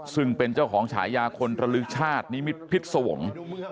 ซึ่งเป็นเจ้าของฉายาคนระลึกชาตินิมิตพิษสวงศ์